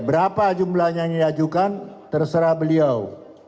berapa jumlahnya yang diajukan terserah beliau